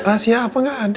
rahasia apa gak ada